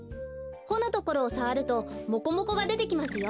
ほのところをさわるとモコモコがでてきますよ。